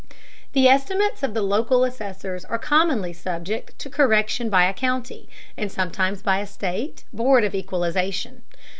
The estimates of the local assessors are commonly subject to correction by a county, and sometimes by a state, board of equalization.